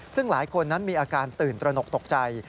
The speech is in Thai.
ซึ่งหลายคนนั้นมีอาการตื่นตระหนกตกใจ